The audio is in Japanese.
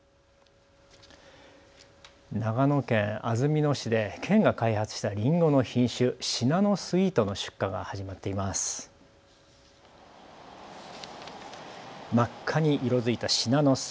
長野県安曇野市で県が開発したりんごの品種、シナノスイートの出荷が始まっています。